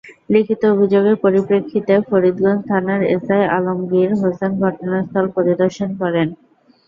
লিখিত অভিযোগের পরিপ্রেক্ষিতে ফরিদগঞ্জ থানার এসআই আলমগীর হোসেন ঘটনাস্থল পরিদর্শন করেন।